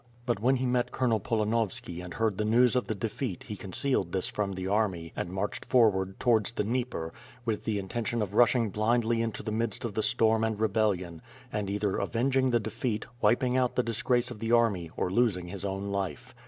But when he met Colonel Polanovski and hea^rd the news of the defeat he concealed this from the army and marched forward towards the Dnieper, with the intention of rushing blindly into the midst of the storm and rebellion, and either avenging the defeat, wiping out the disgrace of the army, or .losing his own life.